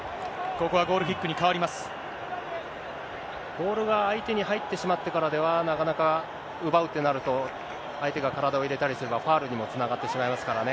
ボールが相手に入ってしまってからは、なかなか奪うってなると、相手が体を入れたりすれば、ファウルにもつながってしまいますからね。